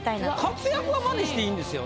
活躍はマネしていいんですよ。